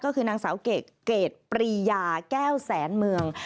ก็คือนางสาวเกรดเกรดปรียาแก้วแสนเมือง